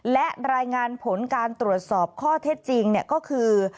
และรายงานผลการตรวจสอบข้อเท็จจริงก็คือ